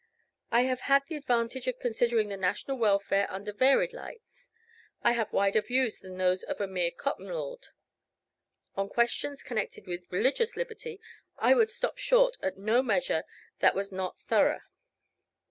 I have had the advantage of considering the national welfare under varied lights: I have wider views than those of a mere cotton lord. On questions connected with religious liberty I would stop short at no measure that was not thorough."